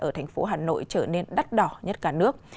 ở thành phố hà nội trở nên đắt đỏ nhất cả nước